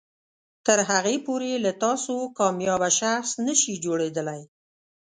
تر هغې پورې له تاسو کاميابه شخص نشي جوړیدلی